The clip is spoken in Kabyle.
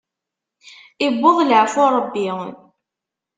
Iwweḍ laɛfu n Ṛebbi.